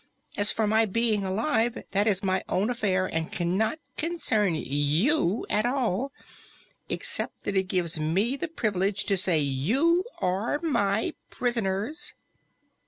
As for my being alive, that is my own affair and cannot concern you at all, except that it gives me the privilege to say you are my prisoners."